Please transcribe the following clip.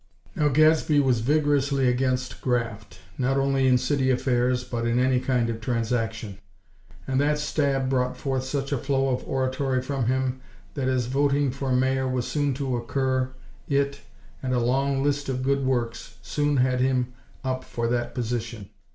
Now Gadsby was vigorously against graft; not only in city affairs but in any kind of transaction; and that stab brought forth such a flow of oratory from him, that as voting for Mayor was soon to occur, it, and a long list of good works, soon had him up for that position.